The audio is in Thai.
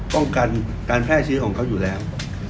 ป้องกันการแพร่เชื้อของเขาอยู่แล้ว